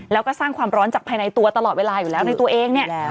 แล้วก็สร้างความร้อนจากภายในตัวตลอดเวลาอยู่แล้วในตัวเองเนี่ย